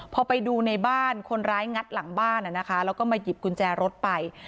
พอไปดูในบ้านคนร้ายงัดหลังบ้านแล้วก็มาหยิบกุญแจรถไป